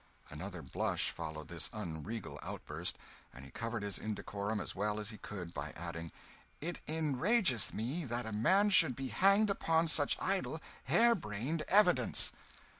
Another blush followed this unregal outburst, and he covered his indecorum as well as he could by adding "It enrageth me that a man should be hanged upon such idle, hare brained evidence!"